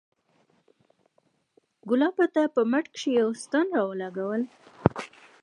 ګلاب راته په مټ کښې يوه ستن راولګوله.